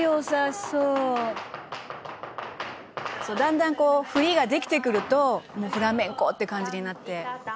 「そうだんだんこう振りができてくるとフラメンコって感じになって」